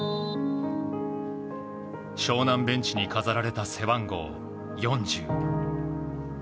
湘南ベンチに飾られた背番号４０。